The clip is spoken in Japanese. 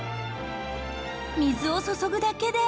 水を注ぐだけで。